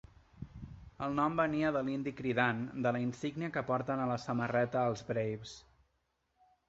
El nom venia de l'"indi cridant" de la insígnia que porten a la samarreta els Braves.